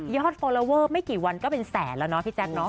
ฟอลลอเวอร์ไม่กี่วันก็เป็นแสนแล้วเนาะพี่แจ๊คเนาะ